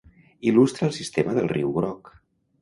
Il·lustra el sistema del riu Groc.